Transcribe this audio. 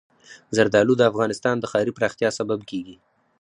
زردالو د افغانستان د ښاري پراختیا سبب کېږي.